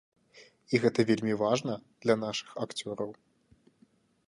І гэта вельмі важна для нашых акцёраў.